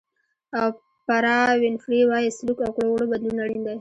اوپرا وینفري وایي سلوک او کړو وړو بدلون اړین دی.